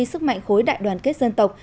sức mạnh khối đại đoàn kết dân tộc